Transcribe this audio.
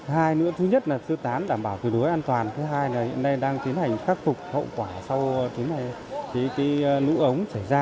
hai nữa thứ nhất là sư tán đảm bảo tuyệt đối an toàn thứ hai là hiện nay đang tiến hành khắc phục hậu quả sau lũ ống xảy ra